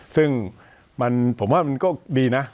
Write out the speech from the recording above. ซึ่งผมว่ามันก็ดีนะ